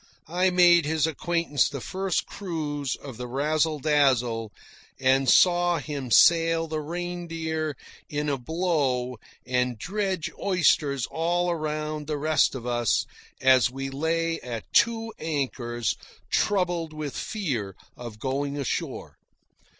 I made his acquaintance the first cruise of the Razzle Dazzle, and saw him sail the Reindeer in a blow and dredge oysters all around the rest of us as we lay at two anchors, troubled with fear of going ashore.